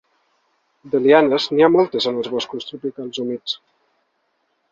De lianes n'hi ha moltes en els boscos tropicals humits.